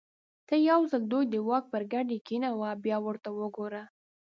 ته یو ځل دوی د واک پر ګدۍ کېنوه بیا ورته وګوره.